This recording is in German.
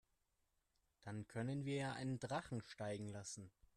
Dann können wir ja einen Drachen steigen lassen.